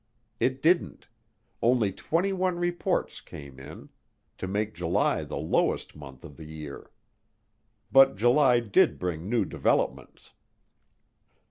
It didn't only twenty one reports came in, to make July the lowest month of the year. But July did bring new developments.